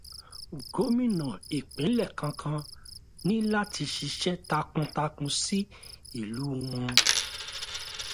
Gómìnà ìpínlẹ̀ kankan ní láti ṣiṣẹ́ takun takun sí ìlú wọn.